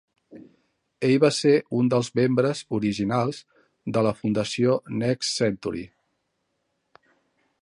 Ell va ser un dels membres originals de la Fundació Next Century.